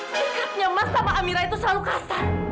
sikapnya mas sama amira itu selalu kasar